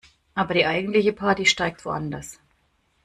Aber die eigentliche Party steigt woanders.